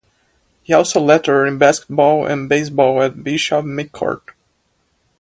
He also lettered in basketball and baseball at Bishop McCort.